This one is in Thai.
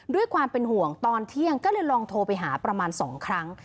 ด้วยความเป็นห่วงตอนเที่ยงก็เลยลองโทรไปหาประมาณ๒ครั้ง